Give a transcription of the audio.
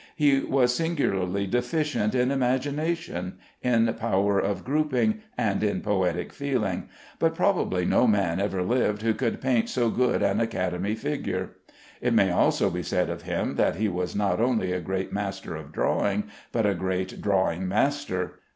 He was singularly deficient in imagination, in power of grouping, and in poetic feeling; but probably no man ever lived who could paint so good an Academy figure. It may also be said of him, that he was not only a great master of drawing, but a great drawing master.